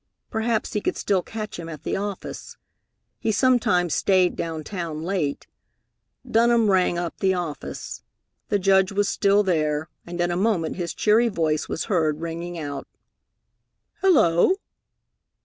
Perhaps he could still catch him at the office. He sometimes stayed down town late. Dunham rang up the office. The Judge was still there, and in a moment his cheery voice was heard ringing out, "Hello!"